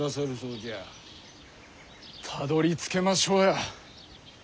たどりつけましょうや。